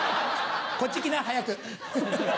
こっち来な早く。